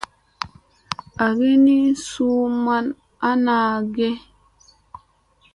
Agi ni suu ma ana age.